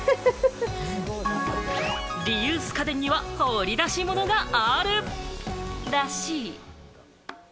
リユース家電には掘り出し物があるらしい。